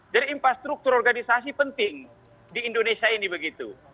jadi infrastruktur organisasi penting di indonesia ini begitu